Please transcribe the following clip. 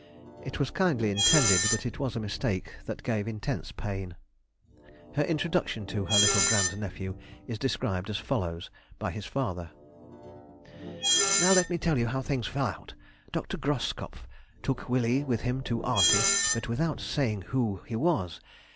It was kindly intended, but it was a mistake that gave intense pain. Her introduction to her little grand nephew is described as follows by his father:— [Sidenote: 1838. Visit from her Grand nephew.] ... "Now let me tell you how things fell out. Dr. Groskopff took Willie with him to aunty, but without saying who he was.